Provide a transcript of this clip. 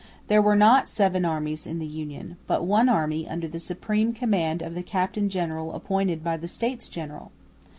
There were not seven armies in the Union, but one army under the supreme command of the captain general appointed by the States General.